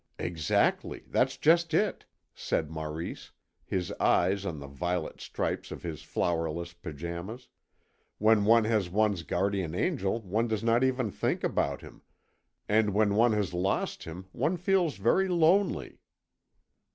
"Exactly, that's just it," said Maurice, his eyes on the violet stripes of his flowerless pyjamas; "when one has one's guardian angel one does not even think about him, and when one has lost him one feels very lonely."